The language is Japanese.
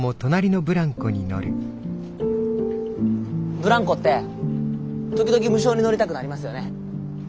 ブランコって時々無性に乗りたくなりますよね。